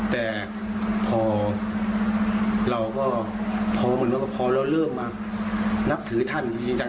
แต่พอเราก็พอเริ่มมานับถือท่านจริงจัง